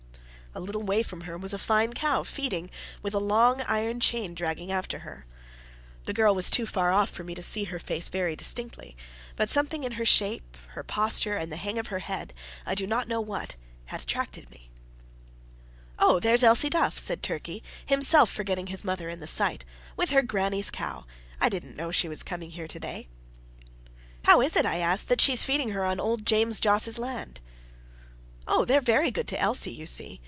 A little way from her was a fine cow feeding, with a long iron chain dragging after her. The girl was too far off for me to see her face very distinctly; but something in her shape, her posture, and the hang of her head, I do not know what, had attracted me. "Oh! there's Elsie Duff," said Turkey, himself forgetting his mother in the sight "with her granny's cow! I didn't know she was coming here to day." "How is it," I asked, "that she is feeding her on old James Joss's land?" "Oh! they're very good to Elsie, you see.